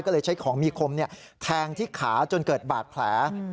ก็เลยใช้ของมีคมแทงที่ขาจนเกิดบาดแผล